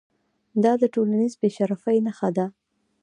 دا د ټولنیز بې شرفۍ نښه ده.